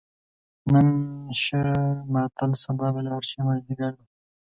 نن شه ماتل سبا به لاړ شې، مازدیګر ده